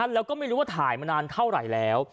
แล้วก็ไม่รู้ว่าถ่ายมานานเท่าไหร่แล้ว